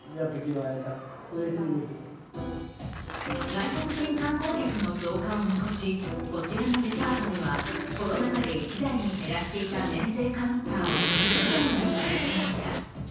外国人観光客の増加を見越し、こちらのデパートではコロナ禍で１台に減らしていた免税カウンターを２台に増やしました。